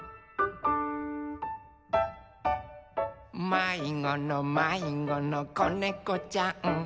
・「まいごのまいごのこねこちゃん」